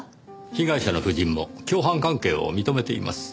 被害者の夫人も共犯関係を認めています。